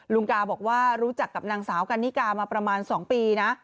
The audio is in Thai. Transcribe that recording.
ลุงกาบอกว่ารู้จักกับนางสาวกันนิกามาประมาณ๒ปีนะ